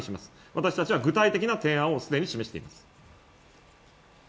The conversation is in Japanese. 私たちは具体的な提案を既に示しています。